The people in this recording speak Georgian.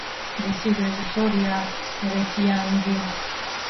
მისი რეჟისორია ტერენს იანგი.